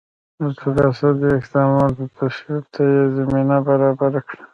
د ټراست ضد اقداماتو تصویب ته یې زمینه برابره کړه.